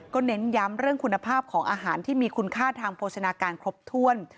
เน้นย้ำเรื่องคุณภาพของอาหารที่มีคุณค่าทางโภชนาการครบถ้วน